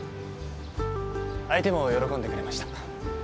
相手も喜んでくれました。